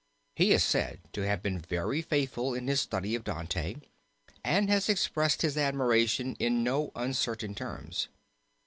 He is said to have been very faithful in his study of Dante and has expressed his admiration in no uncertain terms.